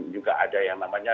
juga ada yang namanya